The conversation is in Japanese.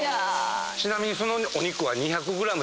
ちなみにそのお肉は。